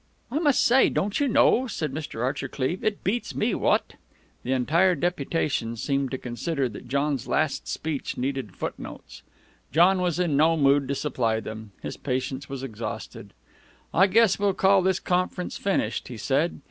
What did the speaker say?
"I must say, don't you know," said Mr. Archer Cleeve, "it beats me, what?" The entire deputation seemed to consider that John's last speech needed footnotes. John was in no mood to supply them. His patience was exhausted. "I guess we'll call this conference finished," he said.